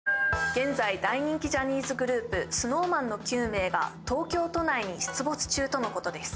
現在大人気ジャニーズグループＳｎｏｗＭａｎの９名が東京都内に出没中とのことです